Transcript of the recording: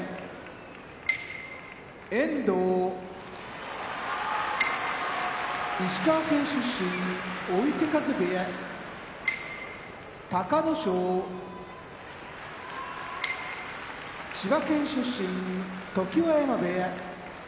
遠藤石川県出身追手風部屋隆の勝千葉県出身常盤山部屋